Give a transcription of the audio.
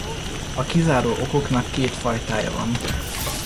A kizáró okoknak két fajtája van.